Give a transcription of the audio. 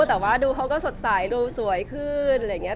แต่ว่าดูเขาก็สดใสดูสวยขึ้นอะไรอย่างนี้